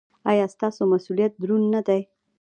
ایا ستاسو مسؤلیت دروند نه دی؟